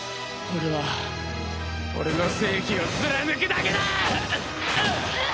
俺は俺の正義を貫くだけだ！